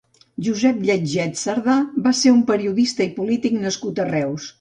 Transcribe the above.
Josep Lletget Sardà va ser un periodista i polític nascut a Reus.